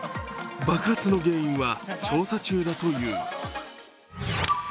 爆発の原因は調査中だという。